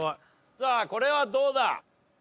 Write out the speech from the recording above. さあこれはどうだ？